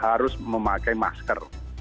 harus memakai masker